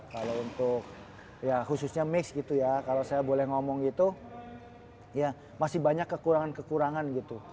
kalau untuk khususnya mix gitu ya kalau saya boleh ngomong gitu masih banyak kekurangan kekurangan gitu